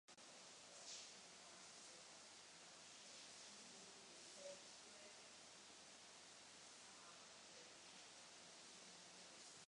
Postaven byl jako v pořadí pátý stadion s umělou ledovou plochou v Československo.